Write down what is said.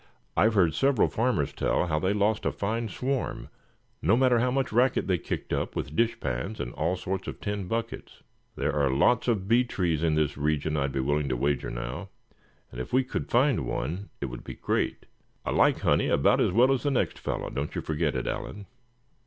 "I've heard several farmers tell how they lost a fine swarm, no matter how much racket they kicked up with dishpans and all sorts of tin buckets. There are lots of bee trees in this region I'd be willing to wager now. And if we could find one, it would be great. I like honey about as well as the next fellow, don't you forget it, Allan."